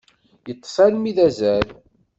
Yeṭṭes almi d azal.